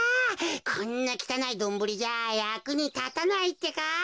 こんなきたないドンブリじゃやくにたたないってか。